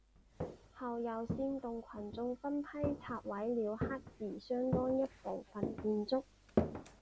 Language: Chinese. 后又煽动群众分批拆毁了黑寺相当一部分建筑。